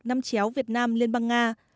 năm chéo việt nam liên bang nga